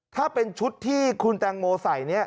ถ้าเป็นชุดที่คุณแตงโมใส่เนี่ย